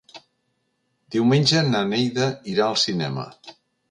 Diumenge na Neida irà al cinema.